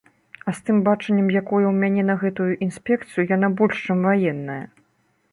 А з тым бачаннем, якое ў мяне на гэтую інспекцыю, яна больш, чым ваенная.